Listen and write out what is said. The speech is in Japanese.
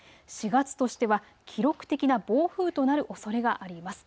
４月としては記録的な暴風となるおそれがあります。